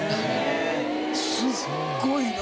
すっごいの。